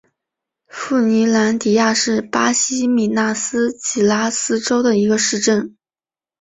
富尼兰迪亚是巴西米纳斯吉拉斯州的一个市镇。